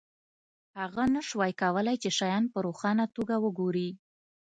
هغه نشوای کولی چې شیان په روښانه توګه وګوري